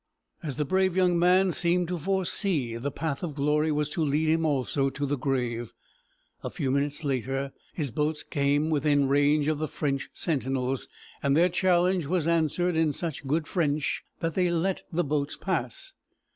As the brave young man seemed to foresee, the path of glory was to lead him also to the grave. A few minutes later, his boats came within range of the French sentinels, and their challenge was answered in such good French that they let the boats pass.